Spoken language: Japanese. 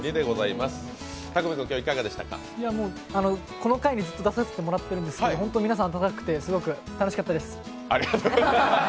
この回にずっと出させてもらってるんですけど、本当に皆さんあたたかくて楽しかったです。